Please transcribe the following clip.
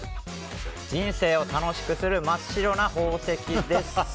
人生を楽しくする真っ白な宝石です。